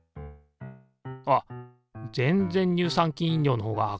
あっ全然乳酸菌飲料のほうが明るい。